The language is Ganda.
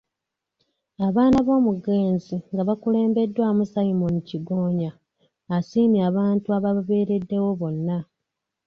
Abaana b'omugenzi nga bakulembeddwamu, Simon Kigonya, asiimye abantu abababeereddewo bonna.